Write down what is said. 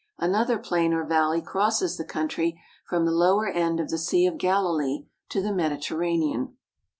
Another plain or valley crosses the country from the lower end of the Sea of Galilee to the Mediterranean.